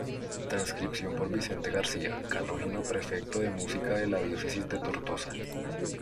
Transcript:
Transcripción por Vicente García, Canónigo Prefecto de Música de la Diócesis de Tortosa.